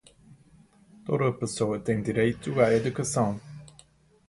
Toda a pessoa tem direito à educação.